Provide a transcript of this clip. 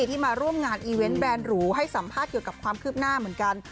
ที่มาร่วมงานอีเวนต์แบรนด์หรูให้สัมภาษณ์เกี่ยวกับความคืบหน้าเหมือนกัน